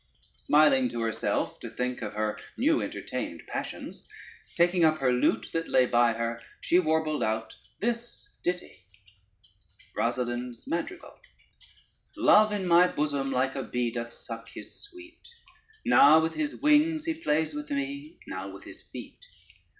Smiling to herself to think of her new entertained passions, taking up her lute that lay by her, she warbled out this ditty: Rosalynde's Madrigal Love in my bosom like a bee Doth suck his sweet: Now with his wings he plays with me, Now with his feet.